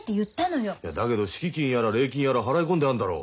いやだけど敷金やら礼金やら払い込んであんだろう。